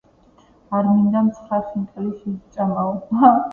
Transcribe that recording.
არ მინდამ ცხრა ხინკალი შესჭამაო